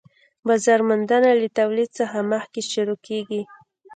بازار موندنه له تولید څخه مخکې شروع کيږي